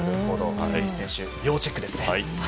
スミス選手要チェックですね。